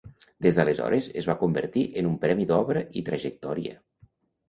Des d'aleshores es va convertir en un premi d'obra i trajectòria.